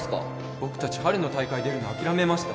僕達春の大会出るの諦めました